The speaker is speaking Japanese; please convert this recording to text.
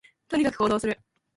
とにかく行動する